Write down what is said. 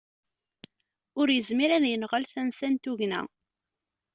Ur yezmir ad yenɣel tansa n tugna